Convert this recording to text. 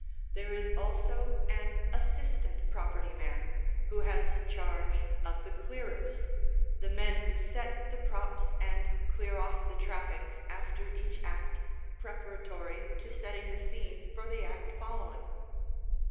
There is also an Assistant Property Man, who has charge of the clearers, the men who set the "props" and clear off the trappings after each act, preparatory to setting the scene for the act following.